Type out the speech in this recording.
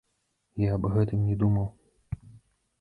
Я аб гэтым не думаў!